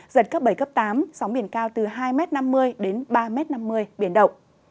giật cấp bảy tám sóng biển cao từ hai m năm mươi ba m năm mươi biển động